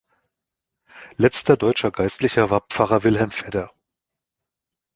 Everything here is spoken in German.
Letzter deutscher Geistlicher war Pfarrer Wilhelm Vedder.